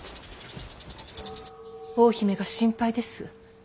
大姫が心配です。